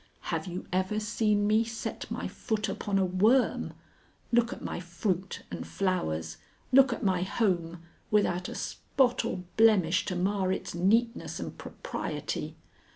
Have you ever seen me set my foot upon a worm? Look at my fruit and flowers, look at my home, without a spot or blemish to mar its neatness and propriety.